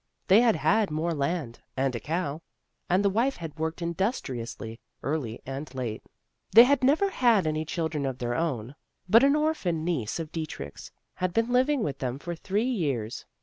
They had had more land and a cow, and the wife had worked industriously early and late. 10 THE ROSE CHILD They had never had any children of their own, but an orphan niece of Dietrich's had been living with them for three years.